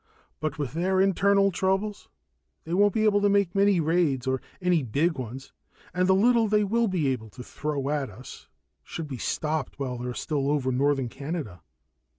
"But with their internal troubles, they won't be able to make many raids, or any big ones and the little they will be able to throw at us should be stopped while they're still over northern Canada."